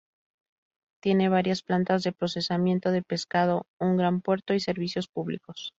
Tiene varias plantas de procesamiento de pescado, un gran puerto, y servicios públicos.